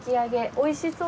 おいしそう！